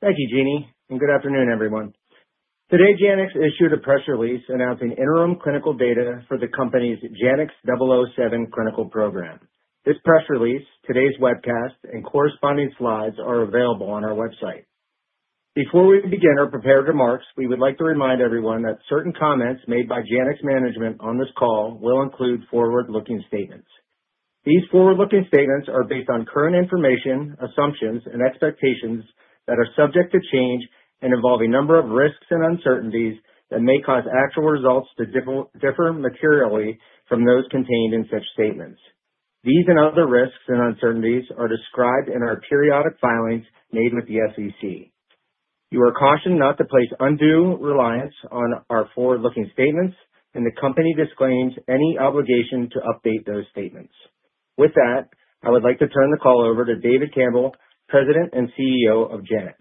Thank you, Jeannie, and good afternoon, everyone. Today, Janux issued a press release announcing interim clinical data for the company's JANX007 clinical program. This press release, today's webcast, and corresponding slides are available on our website. Before we begin our prepared remarks, we would like to remind everyone that certain comments made by Janux management on this call will include forward-looking statements. These forward-looking statements are based on current information, assumptions, and expectations that are subject to change and involve a number of risks and uncertainties that may cause actual results to differ materially from those contained in such statements. These and other risks and uncertainties are described in our periodic filings made with the SEC. You are cautioned not to place undue reliance on our forward-looking statements, and the company disclaims any obligation to update those statements. With that, I would like to turn the call over to David Campbell, President and CEO of Janux.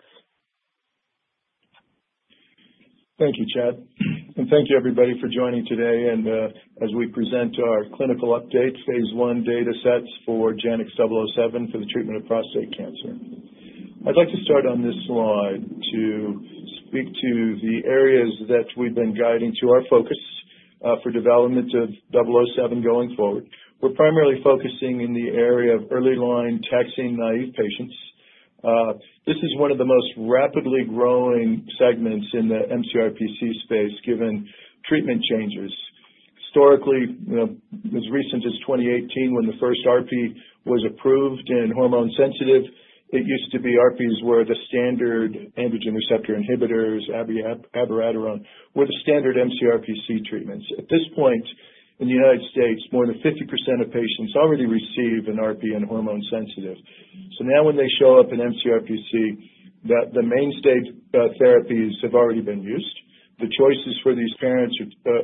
Thank you, Chad, and thank you, everybody, for joining today as we present our clinical update, phase I data sets for JANX007 for the treatment of prostate cancer. I'd like to start on this slide to speak to the areas that we've been guiding to our focus for development of 007 going forward. We're primarily focusing in the area of early line taxane-naive patients. This is one of the most rapidly growing segments in the MCRPC space given treatment changes. Historically, as recent as 2018, when the first ARPI was approved in hormone-sensitive, it used to be ARPIs were the standard androgen receptor inhibitors, abiraterone, were the standard MCRPC treatments. At this point in the United States, more than 50% of patients already receive an ARPI in hormone-sensitive. Now when they show up in MCRPC, the mainstay therapies have already been used. The choices for these parents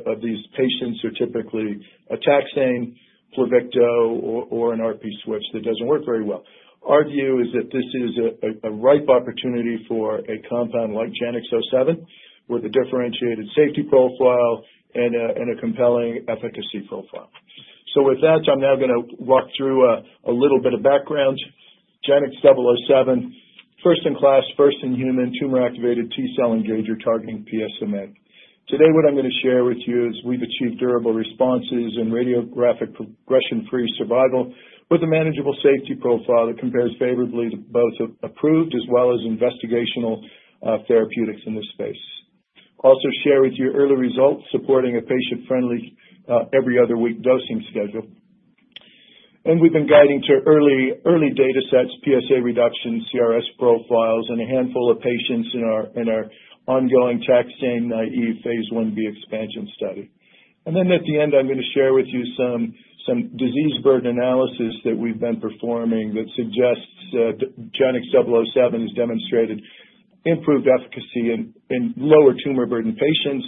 of these patients are typically a taxane, Pluvicto, or an ARPI switch that doesn't work very well. Our view is that this is a ripe opportunity for a compound like JANX007 with a differentiated safety profile and a compelling efficacy profile. With that, I'm now going to walk through a little bit of background. JANX007, first-in-class, first-in-human tumor-activated T-cell engager targeting PSMA. Today, what I'm going to share with you is we've achieved durable responses and radiographic progression-free survival with a manageable safety profile that compares favorably to both approved as well as investigational therapeutics in this space. I will also share with you early results supporting a patient-friendly every-other-week dosing schedule. We've been guiding to early data sets, PSA reduction, CRS profiles, and a handful of patients in our ongoing taxane-naive phase 1b expansion study. At the end, I'm going to share with you some disease burden analysis that we've been performing that suggests JANX007 has demonstrated improved efficacy in lower tumor burden patients,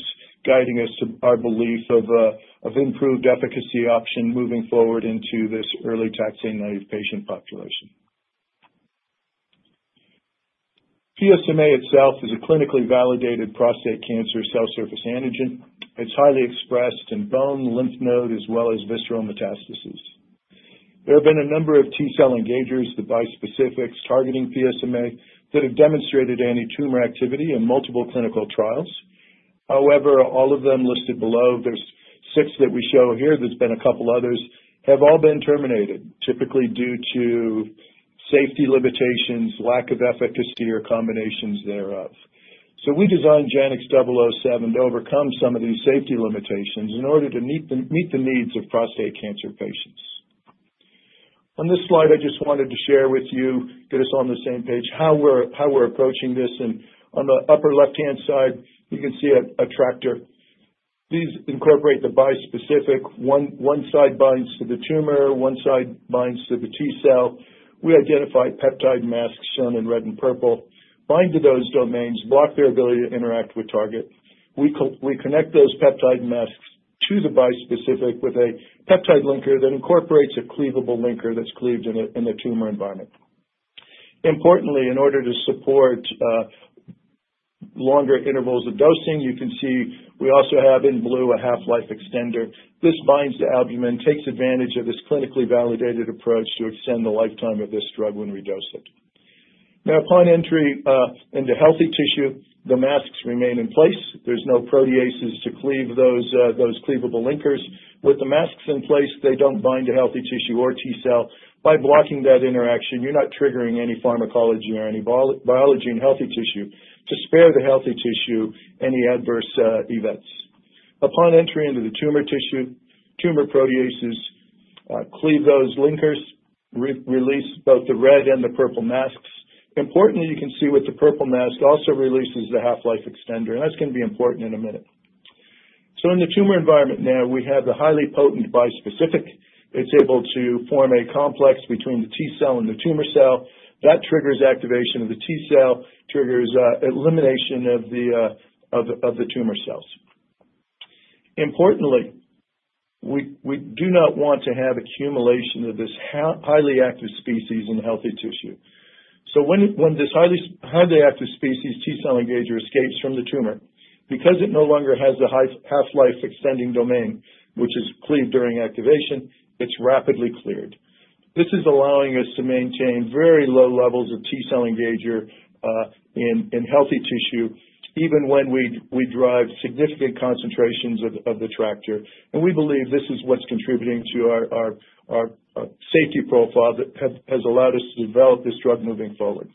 guiding us to our belief of improved efficacy option moving forward into this early taxane-naive patient population. PSMA itself is a clinically validated prostate cancer cell surface antigen. It's highly expressed in bone, lymph node, as well as visceral metastases. There have been a number of T-cell engagers, the bispecifics targeting PSMA, that have demonstrated antitumor activity in multiple clinical trials. However, all of them listed below, there are six that we show here, there have been a couple others, have all been terminated, typically due to safety limitations, lack of efficacy, or combinations thereof. We designed JANX007 to overcome some of these safety limitations in order to meet the needs of prostate cancer patients. On this slide, I just wanted to share with you, get us on the same page, how we're approaching this. On the upper left-hand side, you can see a TRACTr. These incorporate the bispecific. One side binds to the tumor, one side binds to the T-cell. We identify peptide masks shown in red and purple, bind to those domains, block their ability to interact with target. We connect those peptide masks to the bispecific with a peptide linker that incorporates a cleavable linker that's cleaved in the tumor environment. Importantly, in order to support longer intervals of dosing, you can see we also have in blue a half-life extender. This binds to albumin, takes advantage of this clinically validated approach to extend the lifetime of this drug when we dose it. Now, upon entry into healthy tissue, the masks remain in place. There's no proteases to cleave those cleavable linkers. With the masks in place, they don't bind to healthy tissue or T-cell. By blocking that interaction, you're not triggering any pharmacology or any biology in healthy tissue to spare the healthy tissue any adverse events. Upon entry into the tumor tissue, tumor proteases cleave those linkers, release both the red and the purple masks. Importantly, you can see with the purple mask also releases the half-life extender, and that's going to be important in a minute. In the tumor environment now, we have the highly potent bispecific. It's able to form a complex between the T-cell and the tumor cell. That triggers activation of the T-cell, triggers elimination of the tumor cells. Importantly, we do not want to have accumulation of this highly active species in healthy tissue. When this highly active species T-cell engager escapes from the tumor, because it no longer has the half-life extending domain, which is cleaved during activation, it's rapidly cleared. This is allowing us to maintain very low levels of T-cell engager in healthy tissue, even when we drive significant concentrations of the TRACTr. We believe this is what's contributing to our safety profile that has allowed us to develop this drug moving forward.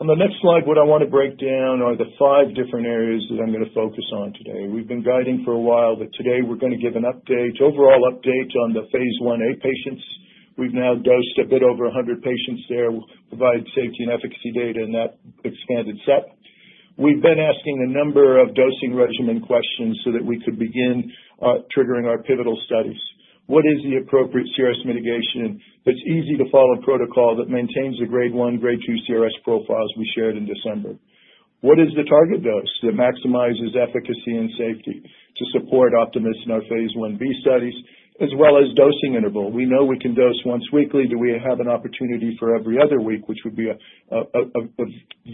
On the next slide, what I want to break down are the five different areas that I'm going to focus on today. We've been guiding for a while, but today we're going to give an overall update on the phase Ia patients. We've now dosed a bit over 100 patients there, provided safety and efficacy data in that expanded set. We've been asking a number of dosing regimen questions so that we could begin triggering our pivotal studies. What is the appropriate CRS mitigation that's easy to follow protocol that maintains the grade 1, grade 2 CRS profiles we shared in December? What is the target dose that maximizes efficacy and safety to support Optimus in our phase Ib studies, as well as dosing interval? We know we can dose once weekly. Do we have an opportunity for every other week, which would be a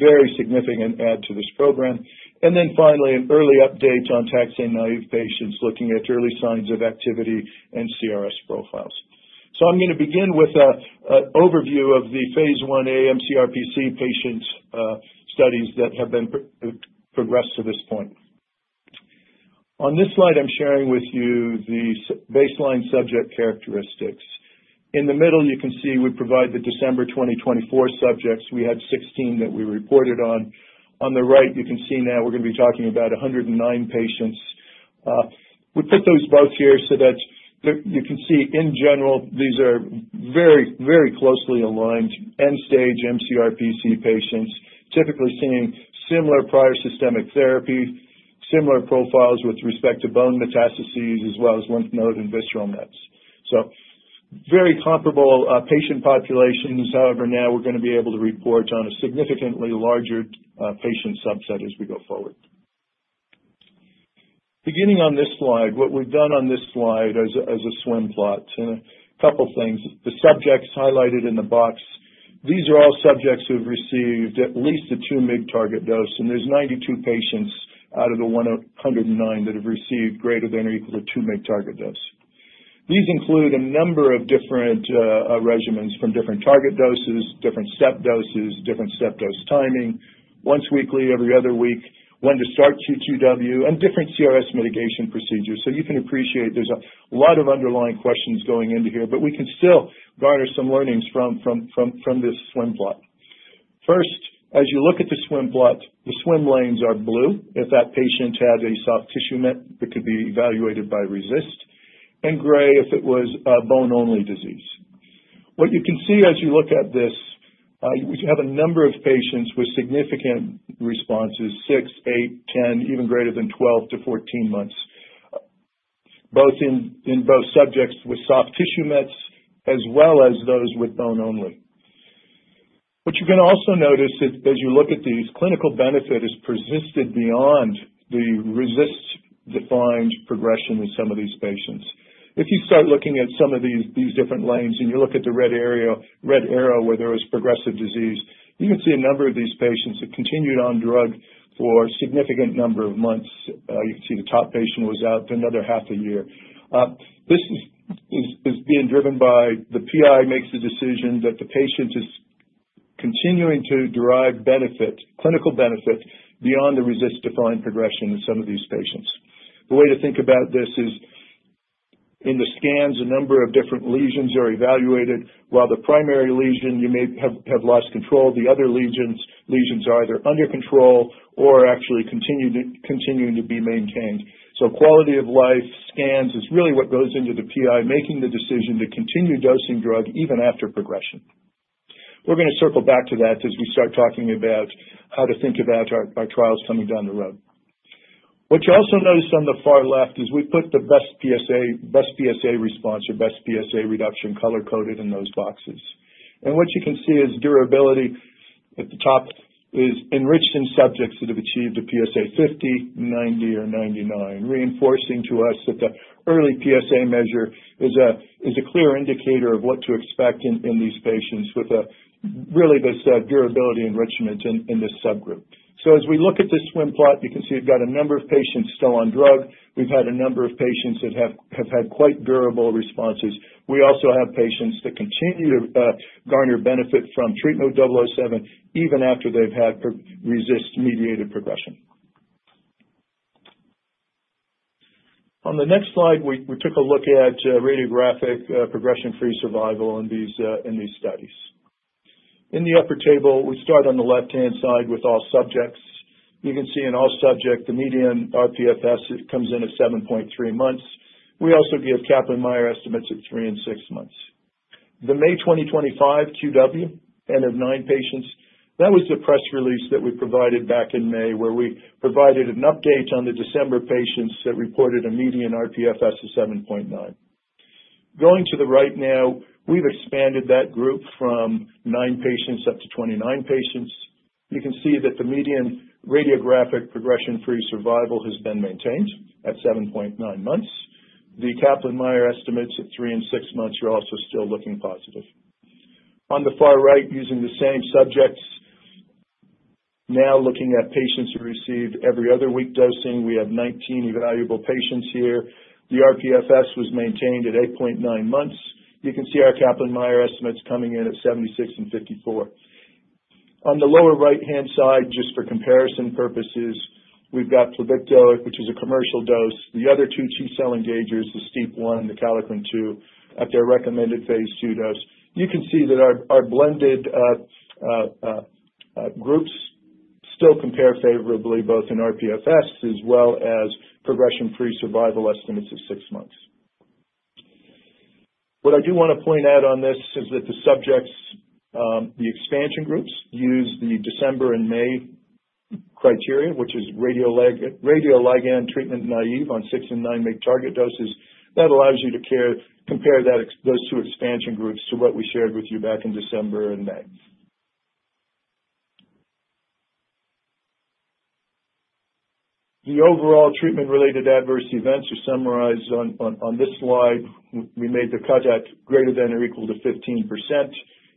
very significant add to this program? Finally, an early update on taxane naive patients looking at early signs of activity and CRS profiles. I'm going to begin with an overview of the phase Ia MCRPC patients' studies that have progressed to this point. On this slide, I'm sharing with you the baseline subject characteristics. In the middle, you can see we provide the December 2024 subjects. We had 16 that we reported on. On the right, you can see now we're going to be talking about 109 patients. We put those both here so that you can see in general, these are very, very closely aligned end-stage MCRPC patients, typically seeing similar prior systemic therapy, similar profiles with respect to bone metastases, as well as lymph node and visceral mets. Very comparable patient populations. However, now we're going to be able to report on a significantly larger patient subset as we go forward. Beginning on this slide, what we've done on this slide as a swim plot, a couple of things. The subjects highlighted in the box, these are all subjects who have received at least the 2 mg target dose, and there's 92 patients out of the 109 that have received greater than or equal to 2 mg target dose. These include a number of different regimens from different target doses, different step doses, different step dose timing, once weekly, every other week, when to start Q2W, and different CRS mitigation procedures. You can appreciate there's a lot of underlying questions going into here, but we can still garner some learnings from this swim plot. First, as you look at the swim plot, the swim lanes are blue if that patient had a soft tissue met that could be evaluated by RECIST, and gray if it was a bone-only disease. What you can see as you look at this, we have a number of patients with significant responses, six, eight, 10, even greater than 12-14 months, both in both subjects with soft tissue mets as well as those with bone-only. What you can also notice is as you look at these, clinical benefit has persisted beyond the RECIST-defined progression in some of these patients. If you start looking at some of these different lanes and you look at the red arrow where there was progressive disease, you can see a number of these patients have continued on drug for a significant number of months. You can see the top patient was out for another half a year. This is being driven by the PI makes the decision that the patient is continuing to derive clinical benefit beyond the RECIST-defined progression in some of these patients. The way to think about this is in the scans, a number of different lesions are evaluated. While the primary lesion, you may have lost control, the other lesions are either under control or actually continuing to be maintained. Quality of life scans is really what goes into the PI making the decision to continue dosing drug even after progression. We're going to circle back to that as we start talking about how to think about our trials coming down the road. What you also notice on the far left is we put the best PSA response or best PSA reduction color-coded in those boxes. What you can see is durability at the top is enriched in subjects that have achieved a PSA 50, 90, or 99, reinforcing to us that the early PSA measure is a clear indicator of what to expect in these patients with really this durability enrichment in this subgroup. As we look at this swim plot, you can see we've got a number of patients still on drug. We've had a number of patients that have had quite durable responses. We also have patients that continue to garner benefit from treatment of 007 even after they've had RECIST-mediated progression. On the next slide, we took a look at radiographic progression-free survival in these studies. In the upper table, we start on the left-hand side with all subjects. You can see in all subjects, the median RPFS comes in at 7.3 months. We also give Kaplan-Meier estimates at three and six months. The May 2025 QW, end of nine patients, that was the press release that we provided back in May where we provided an update on the December patients that reported a median RPFS of 7.9. Going to the right now, we've expanded that group from nine patients up to 29 patients. You can see that the median radiographic progression-free survival has been maintained at 7.9 months. The Kaplan-Meier estimates at three and six months are also still looking positive. On the far right, using the same subjects, now looking at patients who received every other week dosing, we have 19 evaluable patients here. The RPFS was maintained at 8.9 months. You can see our Kaplan-Meier estimates coming in at 76 and 54. On the lower right-hand side, just for comparison purposes, we've got Pluvicto, which is a commercial dose. The other two T-cell engagers, the STEAP1 and the kallikrein 2, at their recommended phase II dose. You can see that our blended groups still compare favorably both in RPFS as well as progression-free survival estimates of six months. What I do want to point out on this is that the subjects, the expansion groups, use the December and May criteria, which is radioligand treatment naive on 6 mg and 9 mg target doses. That allows you to compare those two expansion groups to what we shared with you back in December and May. The overall treatment-related adverse events are summarized on this slide. We made the cardiac greater than or equal to 15%.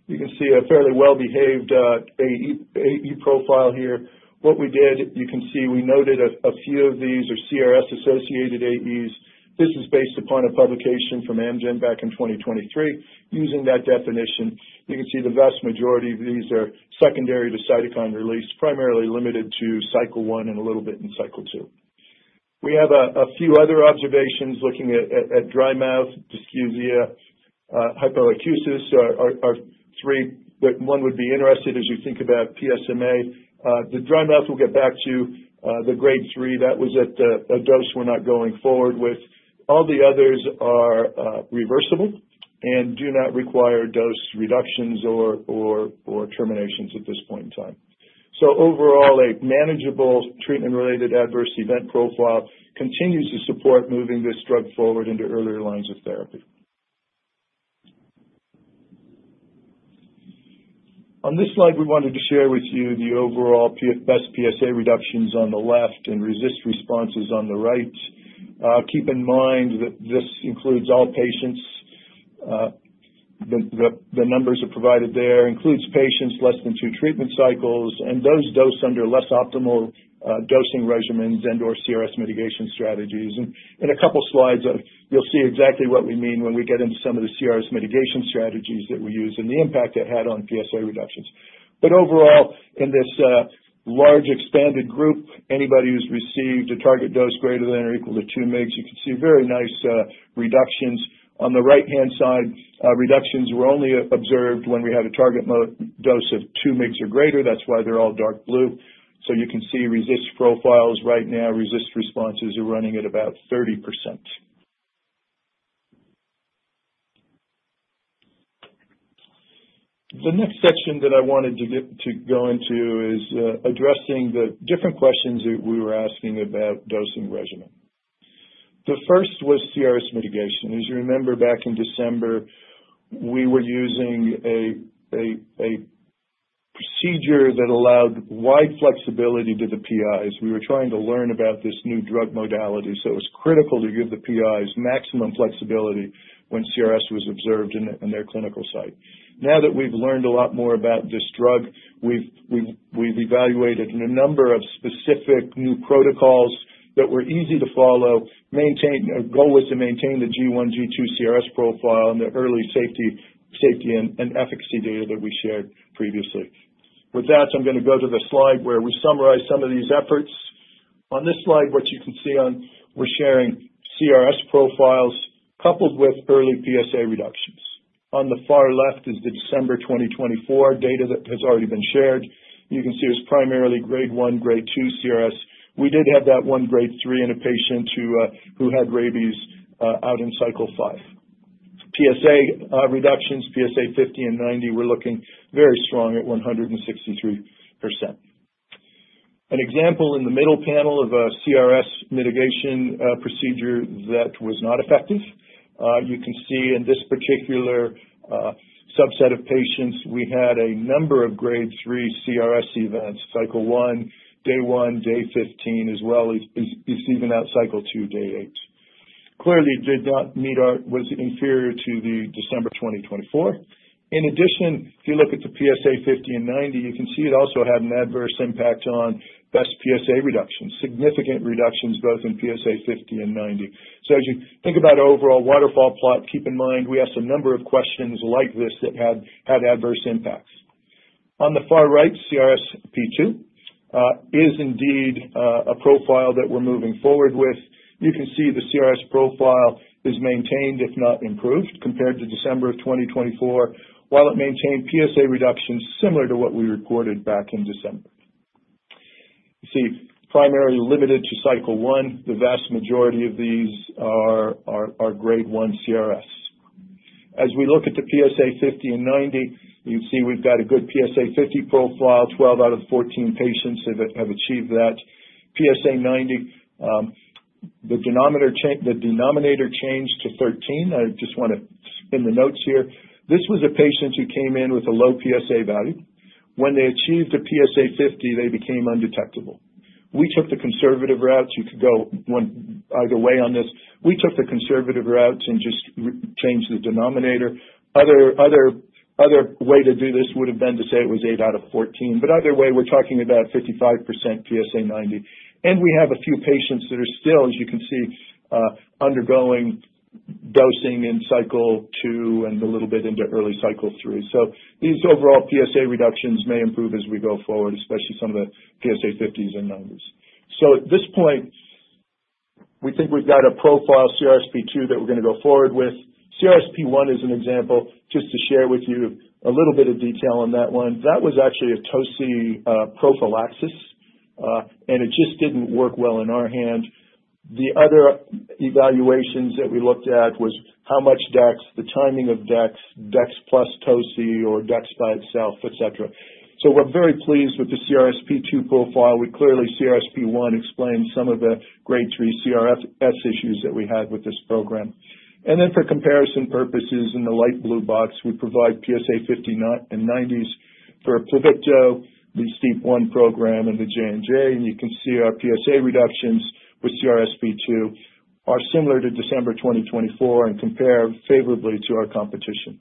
You can see a fairly well-behaved AE profile here. What we did, you can see we noted a few of these are CRS-associated AEs. This is based upon a publication from Amgen back in 2023. Using that definition, you can see the vast majority of these are secondary to cytokine release, primarily limited to cycle one and a little bit in cycle two. We have a few other observations looking at dry mouth, dysgeusia, hypoacusis. One would be interested as you think about PSMA. The dry mouth, we'll get back to the grade 3. That was at a dose we're not going forward with. All the others are reversible and do not require dose reductions or terminations at this point in time. Overall, a manageable treatment-related adverse event profile continues to support moving this drug forward into earlier lines of therapy. On this slide, we wanted to share with you the overall best PSA reductions on the left and RECIST responses on the right. Keep in mind that this includes all patients. The numbers are provided there. It includes patients less than two treatment cycles and those dosed under less optimal dosing regimens and/or CRS mitigation strategies. In a couple of slides, you'll see exactly what we mean when we get into some of the CRS mitigation strategies that we use and the impact it had on PSA reductions. Overall, in this large expanded group, anybody who's received a target dose greater than or equal to 2 mg, you can see very nice reductions. On the right-hand side, reductions were only observed when we had a target dose of 2 mg or greater. That is why they're all dark blue. You can see RECIST profiles right now, RECIST responses are running at about 30%. The next section that I wanted to go into is addressing the different questions that we were asking about dosing regimen. The first was CRS mitigation. As you remember, back in December, we were using a procedure that allowed wide flexibility to the PIs. We were trying to learn about this new drug modality, so it was critical to give the PIs maximum flexibility when CRS was observed in their clinical site. Now that we've learned a lot more about this drug, we've evaluated a number of specific new protocols that were easy to follow. Our goal was to maintain the G1, G2 CRS profile and the early safety and efficacy data that we shared previously. With that, I'm going to go to the slide where we summarize some of these efforts. On this slide, what you can see on, we're sharing CRS profiles coupled with early PSA reductions. On the far left is the December 2024 data that has already been shared. You can see it's primarily grade 1, grade 2 CRS. We did have that one grade 3 in a patient who had rabies out in cycle five. PSA reductions, PSA 50 and 90, we're looking very strong at 163%. An example in the middle panel of a CRS mitigation procedure that was not effective. You can see in this particular subset of patients, we had a number of grade 3 CRS events, cycle one, day one, day 15, as well as even out cycle two, day eight. Clearly, it did not meet our was inferior to the December 2024. In addition, if you look at the PSA 50 and 90, you can see it also had an adverse impact on best PSA reductions, significant reductions both in PSA 50 and 90. As you think about overall waterfall plot, keep in mind we asked a number of questions like this that had adverse impacts. On the far right, CRS P2 is indeed a profile that we're moving forward with. You can see the CRS profile is maintained, if not improved, compared to December of 2024, while it maintained PSA reductions similar to what we reported back in December. You see, primarily limited to cycle one, the vast majority of these are grade 1 CRS. As we look at the PSA 50 and 90, you can see we've got a good PSA 50 profile. Twelve out of 14 patients have achieved that. PSA 90, the denominator changed to 13. I just want to spin the notes here. This was a patient who came in with a low PSA value. When they achieved a PSA 50, they became undetectable. We took the conservative route. You could go either way on this. We took the conservative route and just changed the denominator. Other way to do this would have been to say it was eight out of 14, but either way, we're talking about 55% PSA 90. We have a few patients that are still, as you can see, undergoing dosing in cycle two and a little bit into early cycle three. These overall PSA reductions may improve as we go forward, especially some of the PSA 50s and 90s. At this point, we think we've got a profile CRS P2 that we're going to go forward with. CRS P1 is an example just to share with you a little bit of detail on that one. That was actually a toci prophylaxis, and it just didn't work well in our hand. The other evaluations that we looked at was how much DEX, the timing of DEX, DEX plus toci or DEX by itself, etc. We're very pleased with the CRS P2 profile. Clearly, CRS P1 explains some of the grade 3 CRS issues that we had with this program. For comparison purposes, in the light blue box, we provide PSA 50 and 90s for Pluvicto, the STEAP1 program, and the J&J. You can see our PSA reductions with CRS P2 are similar to December 2024 and compare favorably to our competition.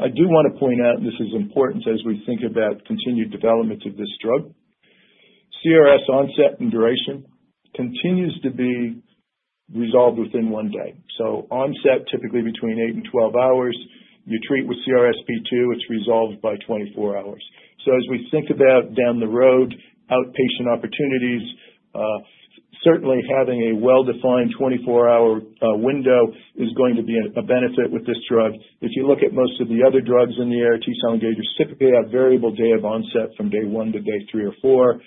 I do want to point out, and this is important as we think about continued development of this drug, CRS onset and duration continues to be resolved within one day. Onset is typically between eight and 12 hours. You treat with CRS P2, it's resolved by 24 hours. As we think about down the road, outpatient opportunities, certainly having a well-defined 24-hour window is going to be a benefit with this drug. If you look at most of the other drugs in the area, T-cell engagers typically have variable day of onset from day one to day three or four,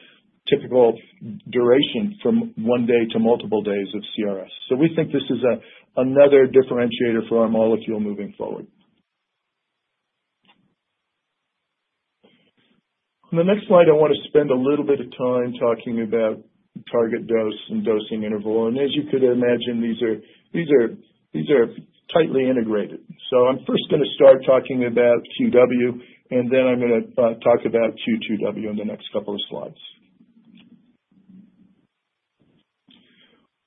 typical duration from one day to multiple days of CRS. We think this is another differentiator for our molecule moving forward. On the next slide, I want to spend a little bit of time talking about target dose and dosing interval. As you could imagine, these are tightly integrated. I'm first going to start talking about QW, and then I'm going to talk about Q2W in the next couple of slides.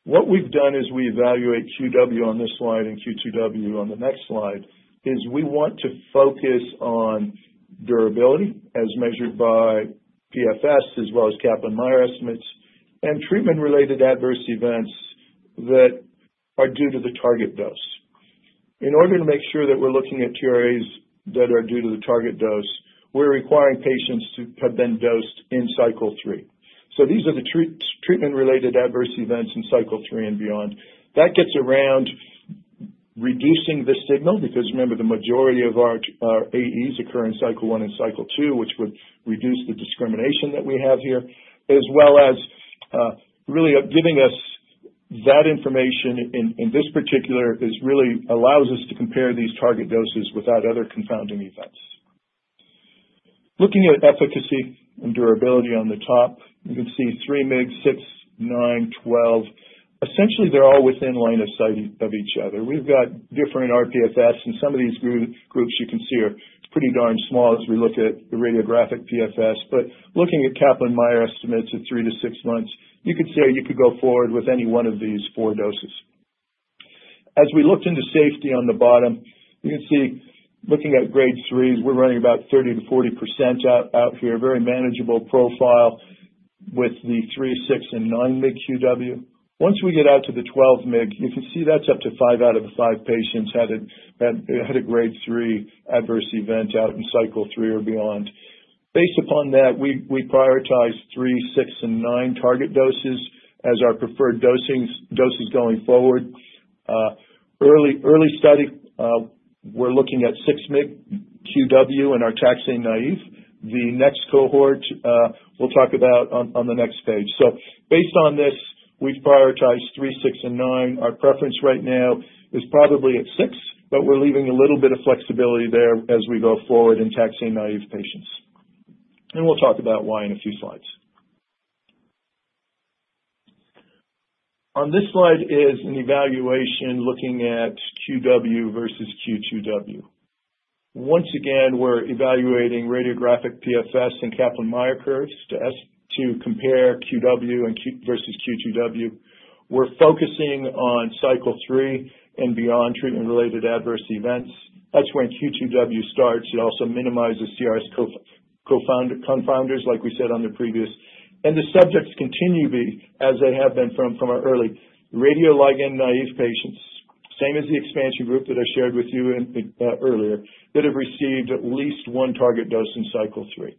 What we've done as we evaluate QW on this slide and Q2W on the next slide is we want to focus on durability as measured by PFS as well as Kaplan-Meier estimates and treatment-related adverse events that are due to the target dose. In order to make sure that we're looking at TRAs that are due to the target dose, we're requiring patients to have been dosed in cycle three. So these are the treatment-related adverse events in cycle three and beyond. That gets around reducing the signal because remember, the majority of our AEs occur in cycle one and cycle two, which would reduce the discrimination that we have here, as well as really giving us that information in this particular is really allows us to compare these target doses without other confounding events. Looking at efficacy and durability on the top, you can see 3 mg, 6 mg, 9 mg, 12 mg. Essentially, they're all within line of sight of each other. We've got different RPFS, and some of these groups you can see are pretty darn small as we look at the radiographic PFS. Looking at Kaplan-Meier estimates at three to six months, you could say you could go forward with any one of these four doses. As we looked into safety on the bottom, you can see looking at grade 3, we're running about 30%-40% out here, very manageable profile with the 3 mg, 6 mg, and 9 mg QW. Once we get out to the 12 mg, you can see that's up to five out of the five patients had a grade 3 adverse event out in cycle three or beyond. Based upon that, we prioritize three, six, and nine target doses as our preferred doses going forward. Early study, we're looking at 6 mg QW in our taxane naive. The next cohort we'll talk about on the next page. Based on this, we've prioritized 3 mg, 6 mg, and mg. Our preference right now is probably at 6 mg, but we're leaving a little bit of flexibility there as we go forward in taxane-naive patients. We will talk about why in a few slides. On this slide is an evaluation looking at QW versus Q2W. Once again, we're evaluating radiographic PFS and Kaplan-Meier curves to compare QW versus Q2W. We're focusing on cycle three and beyond treatment-related adverse events. That is when Q2W starts. It also minimizes CRS confounders, like we said on the previous. The subjects continue to be, as they have been from our early radioligand-naive patients, the same as the expansion group that I shared with you earlier, that have received at least one target dose in cycle three.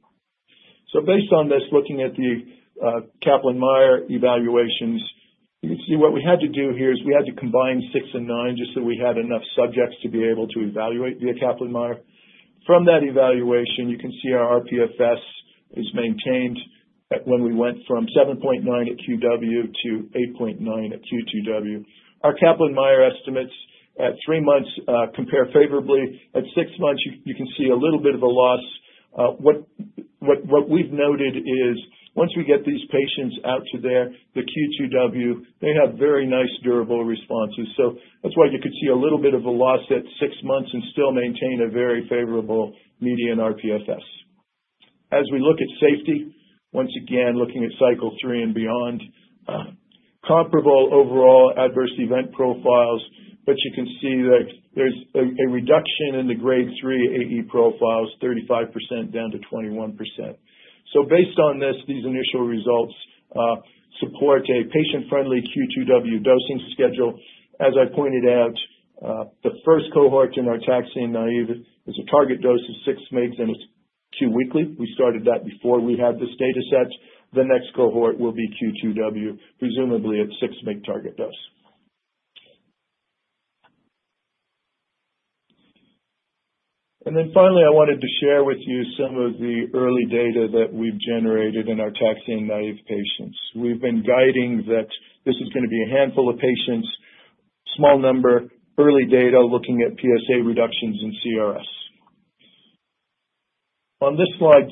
Based on this, looking at the Kaplan-Meier evaluations, you can see what we had to do here is we had to combine 6 mg and 9 mg just so we had enough subjects to be able to evaluate via Kaplan-Meier. From that evaluation, you can see our RPFS is maintained when we went from 7.9 at QW to 8.9 at Q2W. Our Kaplan-Meier estimates at three months compare favorably. At six months, you can see a little bit of a loss. What we've noted is once we get these patients out to their Q2W, they have very nice durable responses. That is why you could see a little bit of a loss at six months and still maintain a very favorable median RPFS. As we look at safety, once again, looking at cycle three and beyond, comparable overall adverse event profiles, but you can see that there's a reduction in the grade 3 AE profiles, 35% down to 21%. Based on this, these initial results support a patient-friendly Q2W dosing schedule. As I pointed out, the first cohort in our taxane naive is a target dose of 6 mg and it's 2 mg qweekly. We started that before we had this data set. The next cohort will be Q2W, presumably at 6 mg target dose. Finally, I wanted to share with you some of the early data that we've generated in our taxane naive patients. We've been guiding that this is going to be a handful of patients, small number, early data looking at PSA reductions in CRS. On this slide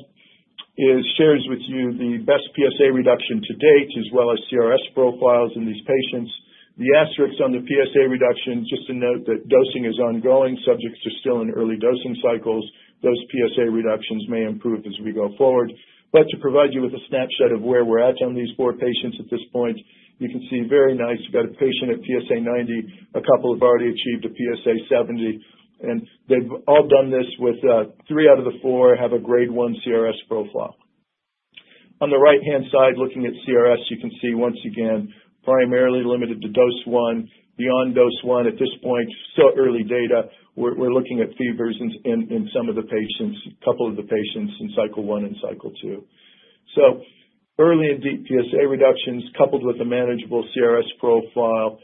is shared with you the best PSA reduction to date as well as CRS profiles in these patients. The asterisks on the PSA reduction, just to note that dosing is ongoing, subjects are still in early dosing cycles. Those PSA reductions may improve as we go forward. To provide you with a snapshot of where we're at on these four patients at this point, you can see very nice, you've got a patient at PSA 90, a couple have already achieved a PSA 70, and they've all done this with three out of the four have a grade 1 CRS profile. On the right-hand side, looking at CRS, you can see once again, primarily limited to dose one, beyond dose one at this point, still early data. We're looking at fevers in some of the patients, a couple of the patients in cycle one and cycle two. Early and deep PSA reductions coupled with a manageable CRS profile,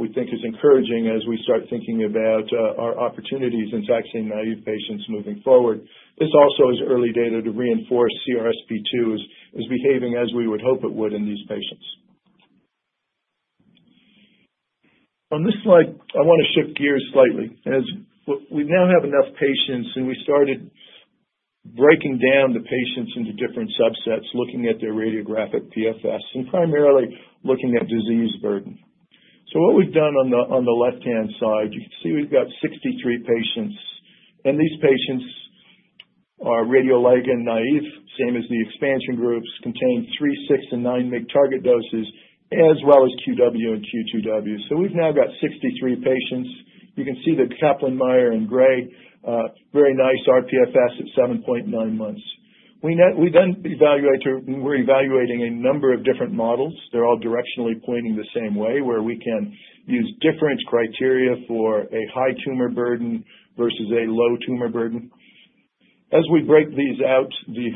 we think is encouraging as we start thinking about our opportunities in taxane naive patients moving forward. This also is early data to reinforce CRS P2 is behaving as we would hope it would in these patients. On this slide, I want to shift gears slightly. We now have enough patients, and we started breaking down the patients into different subsets, looking at their radiographic PFS and primarily looking at disease burden. What we've done on the left-hand side, you can see we've got 63 patients, and these patients are radioligand naive, same as the expansion groups, contain 3mg, 6mg, and 9mg target doses, as well as QW and Q2W. We've now got 63 patients. You can see the Kaplan-Meier and Gray, very nice RPFS at 7.9 months. We then evaluated, we're evaluating a number of different models. They're all directionally pointing the same way where we can use different criteria for a high tumor burden versus a low tumor burden. As we break these out, the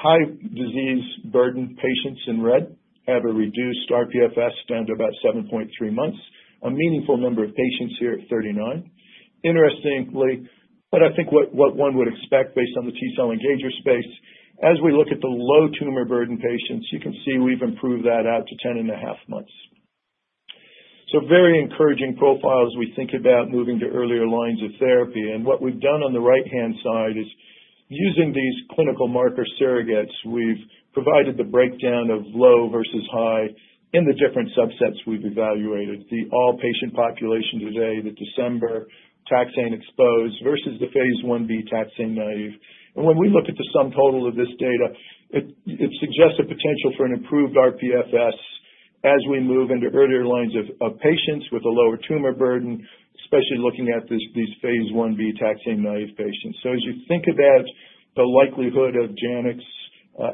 high disease burden patients in red have a reduced RPFS down to about 7.3 months, a meaningful number of patients here at 39. Interestingly, I think what one would expect based on the T-cell engager space, as we look at the low tumor burden patients, you can see we've improved that out to 10 and a half months. Very encouraging profiles as we think about moving to earlier lines of therapy. What we've done on the right-hand side is using these clinical marker surrogates, we've provided the breakdown of low versus high in the different subsets we've evaluated, the all-patient population today, the December taxane-exposed versus the phase Ibtaxane-naive. When we look at the sum total of this data, it suggests a potential for an improved RPFS as we move into earlier lines of patients with a lower tumor burden, especially looking at these phase Ib taxane-naive patients. As you think about the likelihood of Janux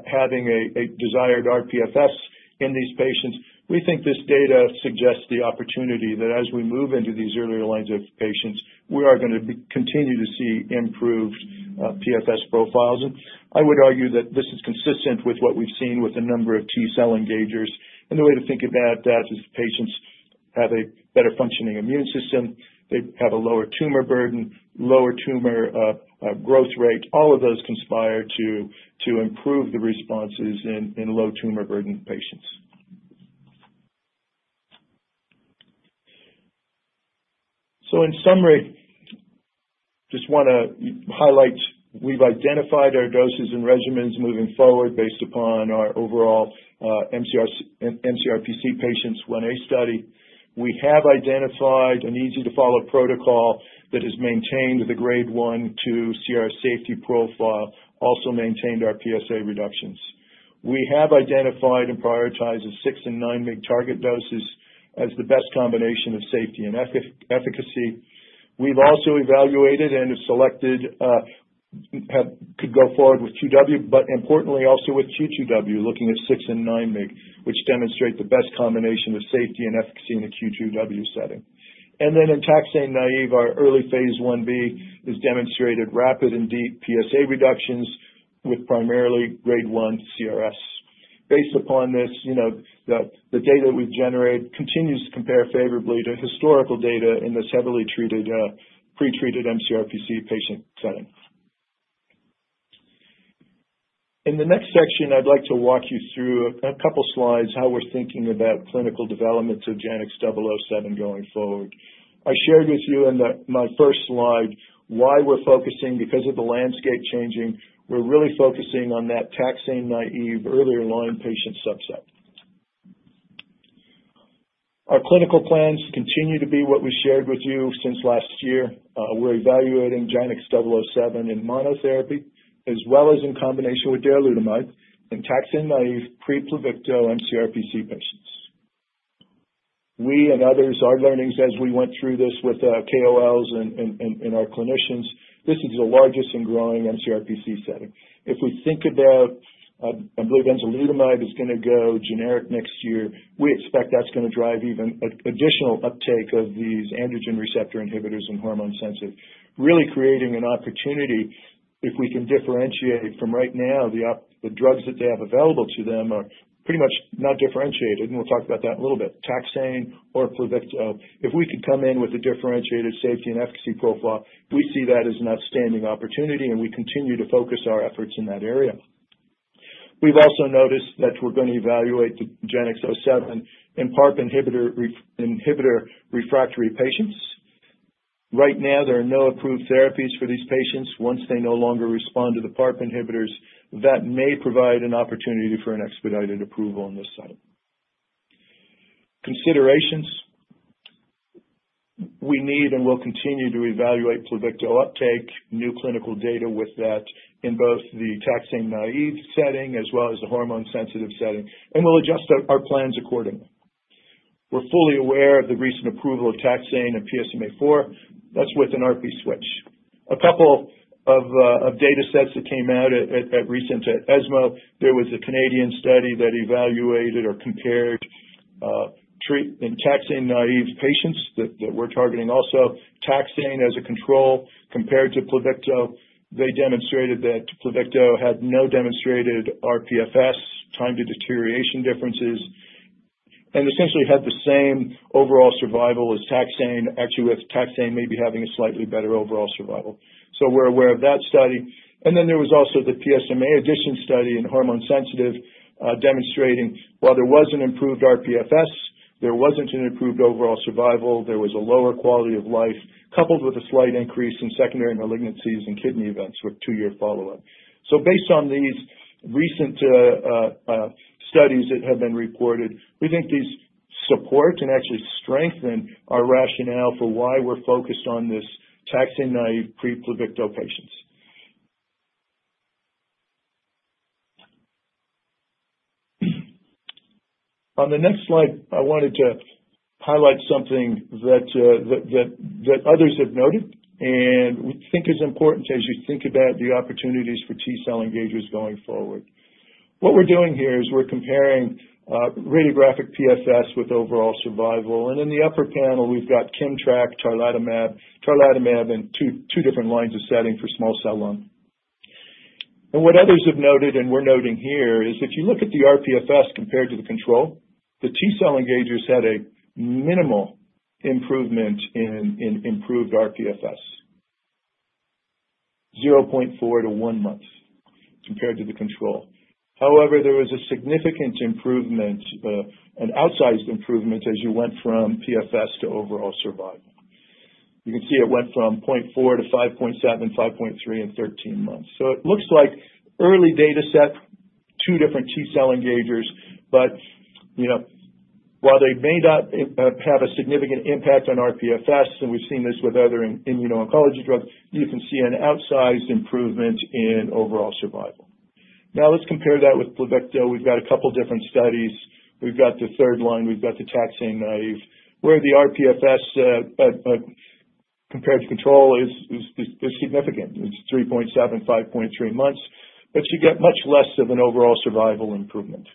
having a desired RPFS in these patients, we think this data suggests the opportunity that as we move into these earlier lines of patients, we are going to continue to see improved PFS profiles. I would argue that this is consistent with what we've seen with a number of T-cell engagers. The way to think about that is patients have a better functioning immune system, they have a lower tumor burden, lower tumor growth rate, all of those conspire to improve the responses in low tumor burden patients. In summary, just want to highlight we've identified our doses and regimens moving forward based upon our overall MCRPC patients Ia study. We have identified an easy-to-follow protocol that has maintained the grade 1 to CRS safety profile, also maintained our PSA reductions. We have identified and prioritized the 6 mg and 9 mg target doses as the best combination of safety and efficacy. We've also evaluated and selected could go forward with QW, but importantly also with Q2W, looking at 6 mg and 9 mg, which demonstrate the best combination of safety and efficacy in a Q2W setting. In taxane naive, our early phase Ib has demonstrated rapid and deep PSA reductions with primarily grade 1 CRS. Based upon this, the data we've generated continues to compare favorably to historical data in this heavily treated, pretreated MCRPC patient setting. In the next section, I'd like to walk you through a couple of slides how we're thinking about clinical developments of JANX007 going forward. I shared with you in my first slide why we're focusing because of the landscape changing, we're really focusing on that taxane naive earlier line patient subset. Our clinical plans continue to be what we shared with you since last year. We're evaluating JANX007 in monotherapy as well as in combination with darolutamide in taxane naive pre-Pluvicto MCRPC patients. We and others are learning as we went through this with KOLs and our clinicians. This is the largest and growing MCRPC setting. If we think about, I believe enzalutamide is going to go generic next year, we expect that's going to drive even additional uptake of these androgen receptor inhibitors and hormone sensitive, really creating an opportunity if we can differentiate from right now the drugs that they have available to them are pretty much not differentiated, and we'll talk about that in a little bit, taxane or Pluvicto. If we could come in with a differentiated safety and efficacy profile, we see that as an outstanding opportunity, and we continue to focus our efforts in that area. We've also noticed that we're going to evaluate the JANX007 in PARP inhibitor refractory patients. Right now, there are no approved therapies for these patients. Once they no longer respond to the PARP inhibitors, that may provide an opportunity for an expedited approval on this site. Considerations: we need and will continue to evaluate Pluvicto uptake, new clinical data with that in both the taxane-naive setting as well as the hormone-sensitive setting, and we'll adjust our plans accordingly. We're fully aware of the recent approval of taxane and PSMAfore. That's with an ARPI switch. A couple of data sets that came out at recent ESMO, there was a Canadian study that evaluated or compared taxane-naive patients that we're targeting also, taxane as a control compared to Pluvicto. They demonstrated that Pluvicto had no demonstrated RPFS time to deterioration differences and essentially had the same overall survival as taxane, actually with taxane maybe having a slightly better overall survival. So we're aware of that study. There was also the PSMA addition study in hormone-sensitive demonstrating while there was an improved RPFS, there was not an improved overall survival, there was a lower quality of life coupled with a slight increase in secondary malignancies and kidney events with two-year follow-up. Based on these recent studies that have been reported, we think these support and actually strengthen our rationale for why we are focused on this taxane-naive pre-Pluvicto patients. On the next slide, I wanted to highlight something that others have noted and we think is important as you think about the opportunities for T-cell engagers going forward. What we are doing here is we are comparing radiographic PFS with overall survival. In the upper panel, we have got Kimmtrak, tarlatamab, tarlatamab in two different lines of setting for small cell lung. What others have noted and we're noting here is if you look at the RPFS compared to the control, the T-cell engagers had a minimal improvement in improved RPFS, 0.4 to one month compared to the control. However, there was a significant improvement, an outsized improvement as you went from PFS to overall survival. You can see it went from 0.4 to 5.7, 5.3 in 13 months. It looks like early data set, two different T-cell engagers, but while they may not have a significant impact on RPFS, and we've seen this with other immuno-oncology drugs, you can see an outsized improvement in overall survival. Now let's compare that with Pluvicto. We've got a couple of different studies. We've got the third line, we've got the taxane naive, where the RPFS compared to control is significant. It's 3.7, 5.3 months, but you get much less of an overall survival improvement.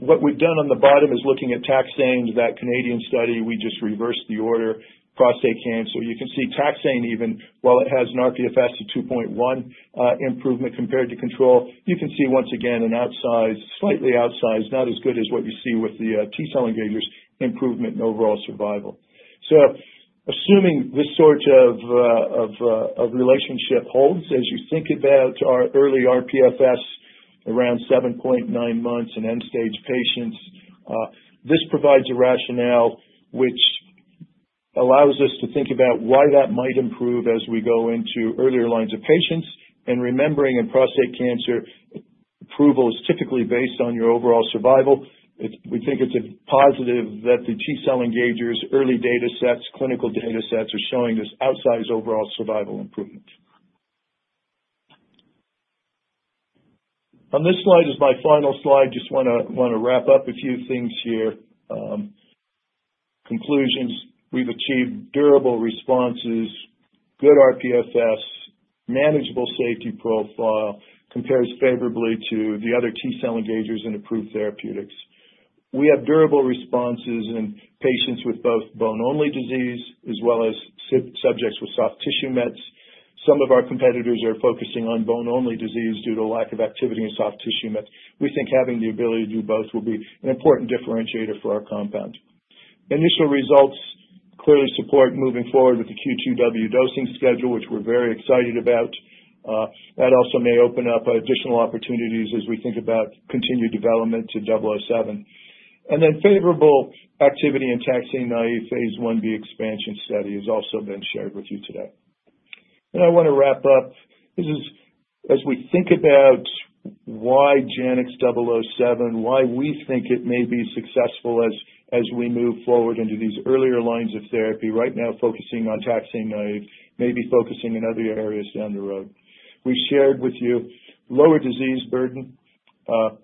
What we've done on the bottom is looking at taxane, that Canadian study, we just reversed the order, prostate cancer. You can see taxane even, while it has an RPFS of 2.1 improvement compared to control, you can see once again an outsized, slightly outsized, not as good as what you see with the T-cell engagers improvement in overall survival. Assuming this sort of relationship holds as you think about our early RPFS around 7.9 months in end-stage patients, this provides a rationale which allows us to think about why that might improve as we go into earlier lines of patients. Remembering in prostate cancer, approval is typically based on your overall survival. We think it's a positive that the T-cell engagers, early data sets, clinical data sets are showing this outsized overall survival improvement. On this slide is my final slide. Just want to wrap up a few things here. Conclusions: we've achieved durable responses, good RPFS, manageable safety profile, compares favorably to the other T-cell engagers and approved therapeutics. We have durable responses in patients with both bone-only disease as well as subjects with soft tissue mets. Some of our competitors are focusing on bone-only disease due to lack of activity in soft tissue mets. We think having the ability to do both will be an important differentiator for our compound. Initial results clearly support moving forward with the Q2W dosing schedule, which we're very excited about. That also may open up additional opportunities as we think about continued development to 007. Favorable activity in taxane-naive phase Ib expansion study has also been shared with you today. I want to wrap up. This is as we think about why JANX007, why we think it may be successful as we move forward into these earlier lines of therapy, right now focusing on taxane-naive, maybe focusing in other areas down the road. We have shared with you lower disease burden.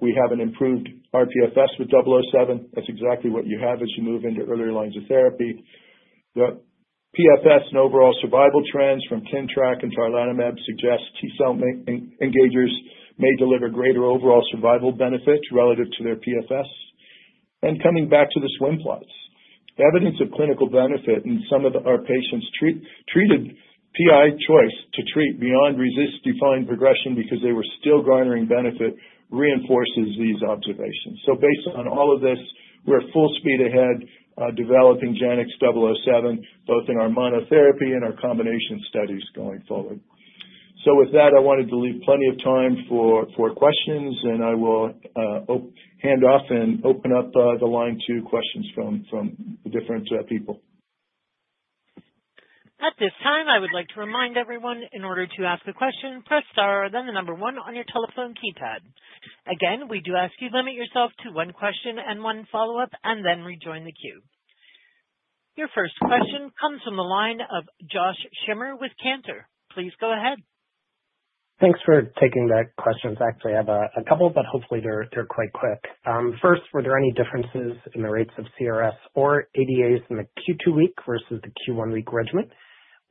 We have an improved RPFS with 007. That is exactly what you have as you move into earlier lines of therapy. The PFS and overall survival trends from Kimmtrak and tarlatamab suggest T-cell engagers may deliver greater overall survival benefits relative to their PFS. Coming back to the swim plots, evidence of clinical benefit in some of our patients treated PI choice to treat beyond RECIST-defined progression because they were still garnering benefit reinforces these observations. Based on all of this, we're full speed ahead developing JANX007 both in our monotherapy and our combination studies going forward. With that, I wanted to leave plenty of time for questions, and I will hand off and open up the line to questions from the different people. At this time, I would like to remind everyone in order to ask a question, press star, then the number one on your telephone keypad. Again, we do ask you limit yourself to one question and one follow-up, and then rejoin the queue. Your first question comes from the line of Josh Schimmer with Cantor. Please go ahead. Thanks for taking that question. Actually, I have a couple, but hopefully they're quite quick. First, were there any differences in the rates of CRS or ADAs in the Q2 week versus the Q1 week regimen?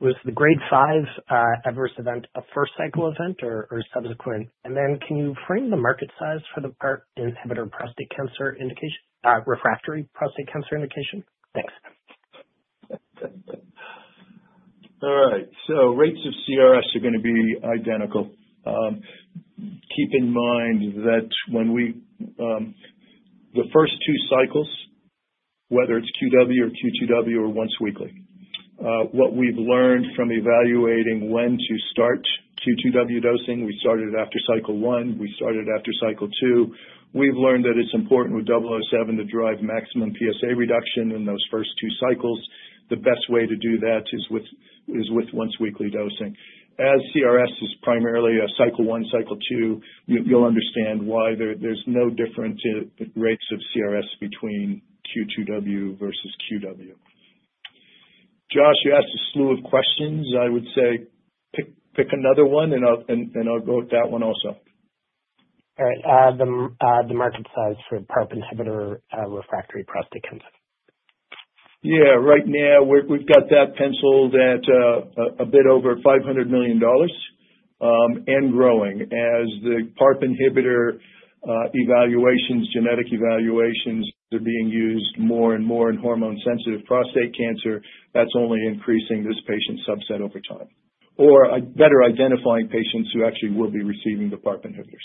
Was the grade 5 adverse event a first cycle event or subsequent? Can you frame the market size for the PARP inhibitor prostate cancer indication, refractory prostate cancer indication? Thanks. All right. Rates of CRS are going to be identical. Keep in mind that when we the first two cycles, whether it's QW or Q2W or once weekly, what we've learned from evaluating when to start Q2W dosing, we started after cycle one, we started after cycle two, we've learned that it's important with 007 to drive maximum PSA reduction in those first two cycles. The best way to do that is with once weekly dosing. As CRS is primarily a cycle one, cycle two, you'll understand why there's no different rates of CRS between Q2W versus QW. Josh, you asked a slew of questions. I would say pick another one, and I'll go with that one also. All right. The market size for PARP inhibitor refractory prostate cancer? Yeah. Right now, we've got that penciled at a bit over $500 million and growing as the PARP inhibitor evaluations, genetic evaluations are being used more and more in hormone-sensitive prostate cancer. That's only increasing this patient subset over time or better identifying patients who actually will be receiving the PARP inhibitors.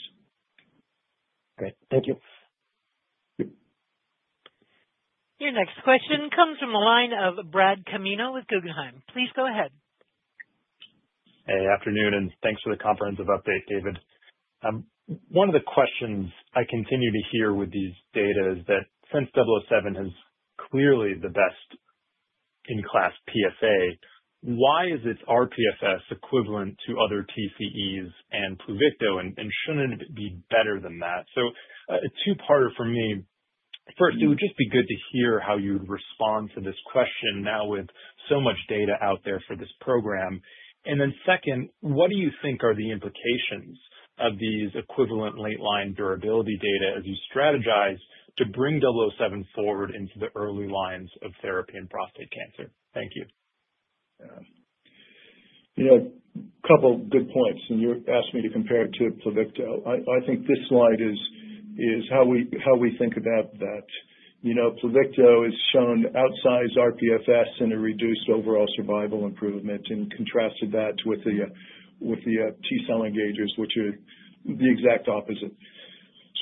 Great. Thank you. Your next question comes from the line of Brad Canino with Guggenheim. Please go ahead. Hey, afternoon, and thanks for the comprehensive update, David. One of the questions I continue to hear with these data is that since 007 has clearly the best in class PSA, why is its RPFS equivalent to other TCEs and Pluvicto and shouldn't it be better than that? A two-parter for me. First, it would just be good to hear how you'd respond to this question now with so much data out there for this program. Second, what do you think are the implications of these equivalent late-line durability data as you strategize to bring 007 forward into the early lines of therapy in prostate cancer? Thank you. A couple of good points. You asked me to compare it to Pluvicto. I think this slide is how we think about that. Pluvicto has shown outsized RPFS and a reduced overall survival improvement and contrasted that with the T-cell engagers, which are the exact opposite.